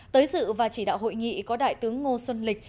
tới dự và chỉ đạo hội nghị có đại tướng ngô xuân lịch